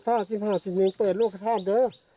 ๑๖ศศศ๑๕๑๑เปิดโลกภาพเดิม